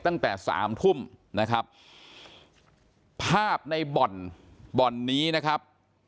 ตั้งแต่สามทุ่มนะครับภาพในบ่อนบ่อนนี้นะครับ